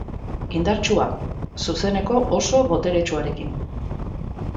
Indartsua, zuzeneko oso boteretsuarekin.